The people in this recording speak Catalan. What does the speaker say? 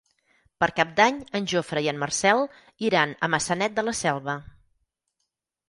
Per Cap d'Any en Jofre i en Marcel iran a Maçanet de la Selva.